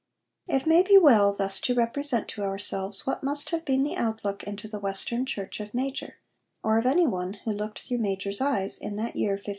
It may be well thus to represent to ourselves what must have been the outlook into the Western Church of Major, or of any one who looked through Major's eyes, in that year 1523.